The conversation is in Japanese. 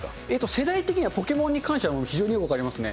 世代的にはポケモンに関しては非常によく分かりますね。